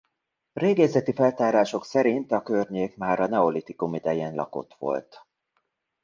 Régészeti feltárások szerint a környék már a neolitikum idején lakott volt.